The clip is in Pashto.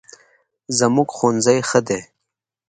زموږ ښوونځی ښه دی